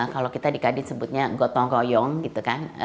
kalau kita di kadin sebutnya gotong goyong gitu kan